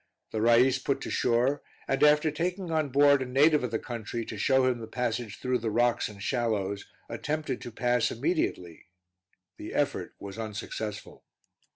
The Rais put to shore, and after taking on board a native of the country to show him the passage through the rocks and shallows, attempted to pass immediately; the effort was unsuccessful.